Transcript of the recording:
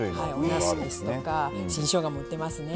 おなすですとか新しょうがも売ってますね。